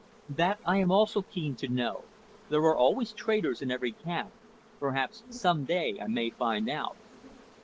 "That I am also keen to know. There are always traitors in every camp. Perhaps some day I may find out."